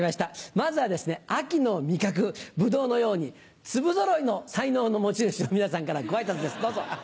まずはですね秋の味覚ブドウのように粒ぞろいの才能の持ち主の皆さんからご挨拶ですどうぞ。